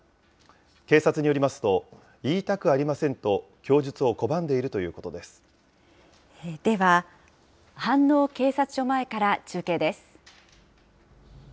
警察によりますと、言いたくありませんと、供述を拒んでいるといでは、飯能警察署前から中継です。